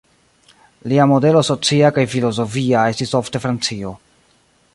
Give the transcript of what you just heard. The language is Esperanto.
Lia modelo socia kaj filozofia estis ofte Francio.